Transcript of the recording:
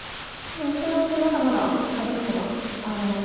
後々まだまだハジく手はあるので。